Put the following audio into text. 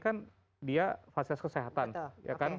kan dia fasilitas kesehatan